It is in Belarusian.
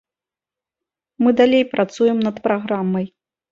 Мы далей працуем над праграмай.